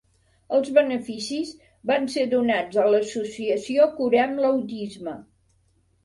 Els beneficis van ser donats a l'associació Curem l'Autisme.